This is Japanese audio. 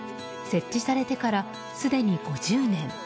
設置されてからすでに５０年。